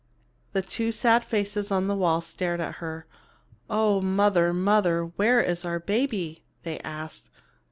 The two sad faces on the wall stared at her. "Oh, mother, mother, where is our baby?" they asked.